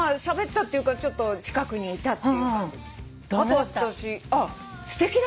しゃべったっていうかちょっと近くにいたって。